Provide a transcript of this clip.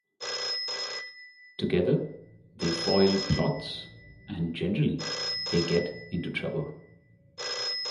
Together, they foil plots and generally get into trouble.